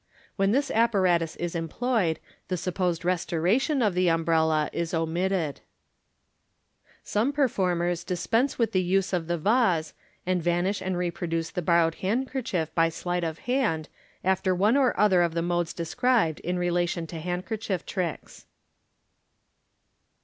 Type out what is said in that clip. When this apparatus is employed, the supposed restoration oi the umbiella is omitted. m Fig. 259. Fig. 260. MODERN MAGIC 43$ Some performers dispense with the use of the vase, and vanish and reproduce the borrowed handkerchief by sleight of hand, after one or other of the modes described in relation to handkerchief tricks.